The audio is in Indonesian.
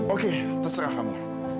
oke terserah kamu